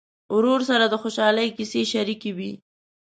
ورور سره د خوشحالۍ کیسې شريکې وي.